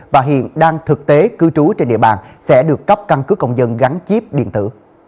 và hiện đang thực tế cư trú trên địa bàn sẽ được cấp căn cứ công dân gắn chip điện tử